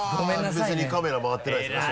別にカメラ回ってないですもんね